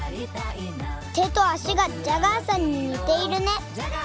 手と足がジャガーさんに似ているね。